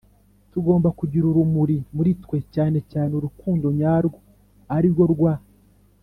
tugomba kugira urumuri muri twe, cyane cyane urukundo nyarwo, ari rwo rwa